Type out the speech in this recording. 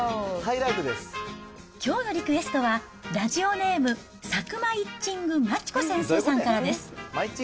きょうのリクエストは、ラジオネーム、さくまいっちんぐマチコ先生さんからです。